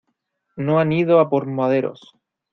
no han ido a por maderos.